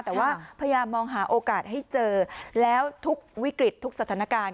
แต่ว่าพยายามมองหาโอกาสให้เจอแล้วทุกวิกฤตทุกสถานการณ์